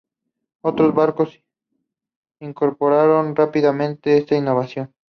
Otros barcos incorporaron rápidamente esta innovación.